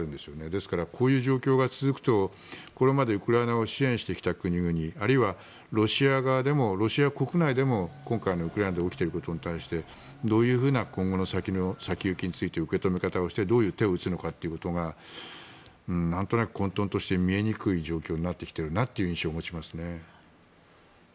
ですから、こういう状況が続くとこれまでウクライナを支援してきた国々あるいはロシア国内でも今回のウクライナで起きていることに対してどういうふうに今後の先行きについて受け止め方をしてどういう手を打つのかということが何となく混沌として見えにくい状況になっている印象を受けますね。